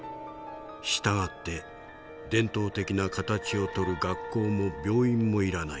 従って伝統的な形をとる学校も病院も要らない。